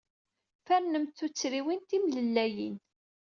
Fernemt tuttriwin timlellayin.